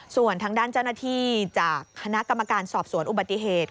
ส่วนทางด้านเจ้าหน้าที่จากคณะกรรมการสอบสวนอุบัติเหตุ